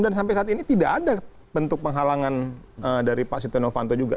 dan sampai saat ini tidak ada bentuk penghalangan dari pak sito novanto juga